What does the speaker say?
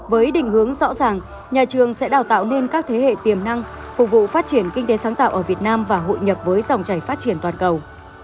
với định hướng rõ ràng nhà trường sẽ đào tạo nên các thế hệ tiềm năng phục vụ phát triển kinh tế sáng tạo ở việt nam và hội nhập với dòng chảy phát triển toàn cầu